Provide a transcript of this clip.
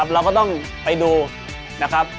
เราก็ต้องไปดูนะครับ